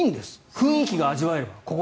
雰囲気が味わえれば。